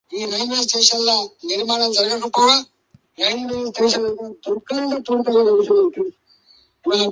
Learning these larger cardinal numerals is important for expressing quantities of greater magnitude.